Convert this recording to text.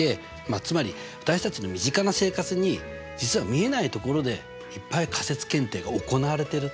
つまり私たちの身近な生活に実は見えないところでいっぱい仮説検定が行われていると。